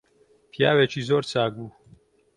پیاوێکی زۆر چاک بوو